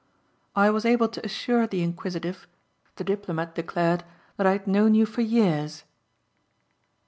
"I was able to assure the inquisitive," the diplomat declared, "that I had known you for years."